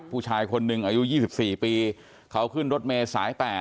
ผู้ชายคนหนึ่งอายุ๒๔ปีเขาขึ้นรถเมย์สาย๘